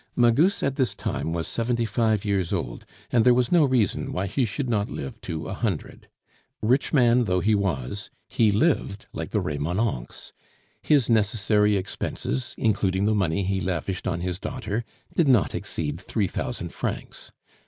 Magus at this time was seventy five years old, and there was no reason why he should not live to a hundred. Rich man though he was, he lived like the Remonencqs. His necessary expenses, including the money he lavished on his daughter, did not exceed three thousand francs.